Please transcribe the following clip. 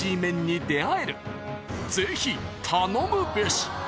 ［ぜひ頼むべし］